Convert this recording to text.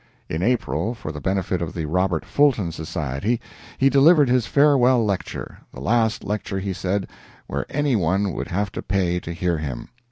In April, for the benefit of the Robert Fulton Society, he delivered his farewell lecture the last lecture, he said, where any one would have to pay to hear him.